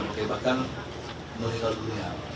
mereka bahkan meninggal dunia